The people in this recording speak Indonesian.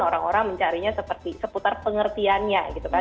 orang orang mencarinya seperti seputar pengertiannya gitu kan